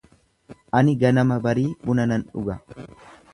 Ani ganama barii buna nan dhuga.